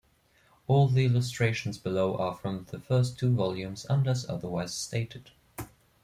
All the illustrations below are from the first two volumes, unless otherwise stated.